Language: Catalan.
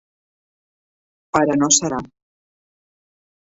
Però no serà.